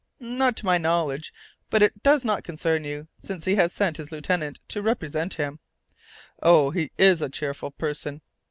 "Not to my knowledge. But it does not concern you, since he has sent his lieutenant to represent him." "Oh, he's a cheerful person!